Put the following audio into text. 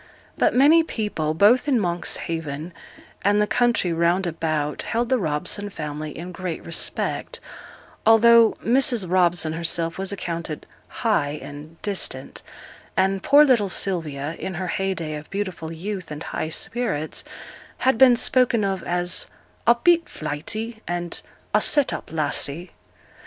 But many people, both in Monkshaven and the country round about, held the Robson family in great respect, although Mrs. Robson herself was accounted 'high' and 'distant;' and poor little Sylvia, in her heyday of beautiful youth and high spirits, had been spoken of as 'a bit flighty,' and 'a set up lassie.'